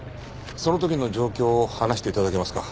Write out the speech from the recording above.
その時の状況を話して頂けますか？